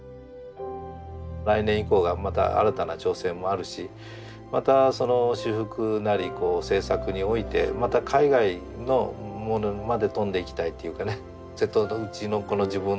来年以降がまた新たな挑戦もあるしまたその修復なり制作においてまた海外のものまで飛んでいきたいというかね。